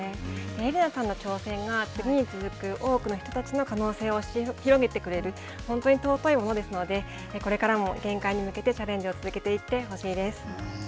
英理菜さんの挑戦が次に続く多くの人たちの可能性を押し広げてくれる本当に尊いものですので、これからも限界に向けてチャレンジを続けていってほしいです。